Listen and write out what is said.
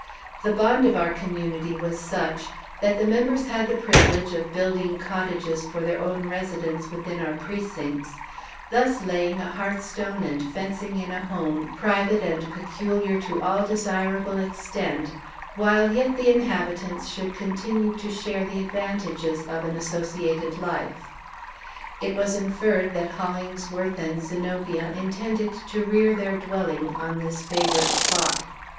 The bond of our Community was such, that the members had the privilege of building cottages for their own residence within our precincts, thus laying a hearthstone and fencing in a home private and peculiar to all desirable extent, while yet the inhabitants should continue to share the advantages of an associated life. It was inferred that Hollingsworth and Zenobia intended to rear their dwelling on this favorite spot.